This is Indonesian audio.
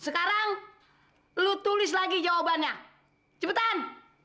sekarang lu tulis lagi jawabannya cepetan